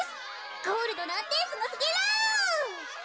ゴールドなんてすごすぎる。